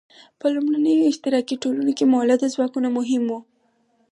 په لومړنیو اشتراکي ټولنو کې مؤلده ځواکونه مهم وو.